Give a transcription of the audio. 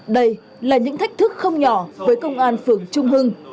đây là những thách thức không nhỏ với công an phường trung hưng